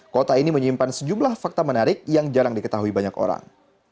kota ini menyimpan sejumlah fakta menarik yang jarang diketahui banyak orang